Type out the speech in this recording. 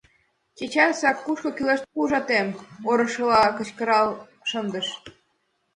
Чечасак кушко кӱлеш, тушко ужатем! — орышыла кычкырал шындыш.